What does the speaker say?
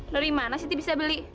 dari mana sih ti bisa beli